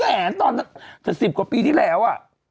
๓๐๐๓ฟรีตอนสีสิบกว่าปีที่แล้ว